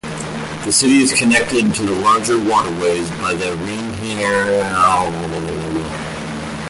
The city is connected to the larger waterways by the Rhein-Herne-Kanal.